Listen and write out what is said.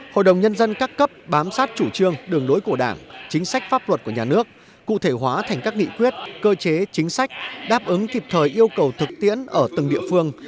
hội đồng nhân dân các cấp bám sát chủ trương đường lối của đảng chính sách pháp luật của nhà nước cụ thể hóa thành các nghị quyết cơ chế chính sách đáp ứng kịp thời yêu cầu thực tiễn ở từng địa phương